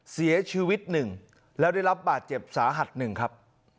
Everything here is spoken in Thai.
เสียชีวิตหนึ่งแล้วได้รับบาดเจ็บสาหัสหนึ่งครับ